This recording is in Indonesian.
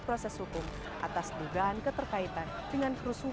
terima kasih terima kasih